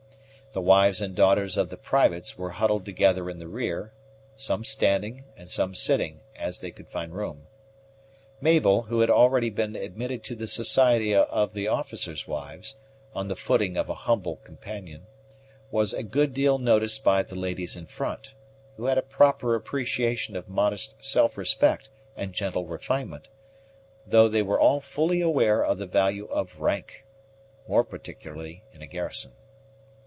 The wives and daughters of the privates were huddled together in the rear, some standing and some sitting, as they could find room. Mabel, who had already been admitted to the society of the officers' wives, on the footing of a humble companion, was a good deal noticed by the ladies in front, who had a proper appreciation of modest self respect and gentle refinement, though they were all fully aware of the value of rank, more particularly in a garrison.